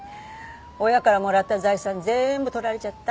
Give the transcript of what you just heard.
親からもらった財産全部取られちゃった。